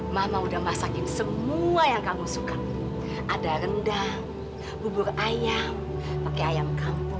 mama udah masakin semua yang kamu suka ada rendang bubur ayam pakai ayam kampung